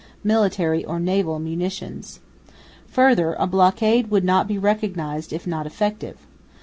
_military or naval munitions. Further a blockade would not be recognised if not effective.